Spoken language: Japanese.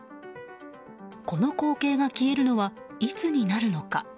この光景が消えるのはいつになるのか。